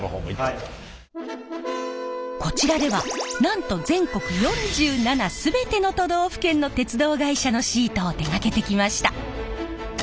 こちらではなんと全国４７全ての都道府県の鉄道会社のシートを手がけてきました。